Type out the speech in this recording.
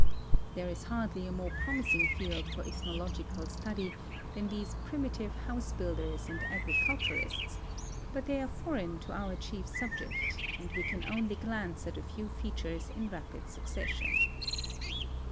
There is hardly a more promis ing field for ethnological study than these primitive house build ers and agriculturists, but they are foreign to our chief subject, and we can only glance at a few features in rapid succession.